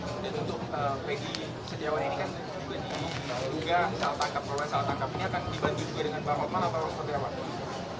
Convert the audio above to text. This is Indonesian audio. di sediawan ini kan juga dihunggah salah tangkap